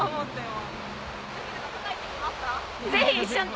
ぜひ一緒に。